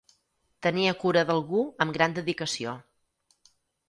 Tenia cura d'algú amb gran dedicació.